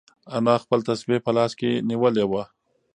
انا خپل تسبیح په لاس کې نیولې وه.